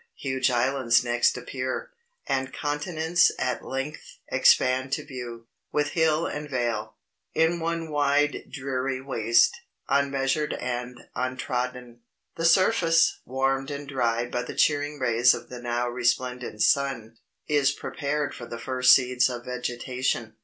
Huge islands next appear, and continents at length expand to view, with hill and vale, in one wide dreary waste, unmeasured and untrodden. The surface, warmed and dried by the cheering rays of the now resplendent sun, is prepared for the first seeds of vegetation.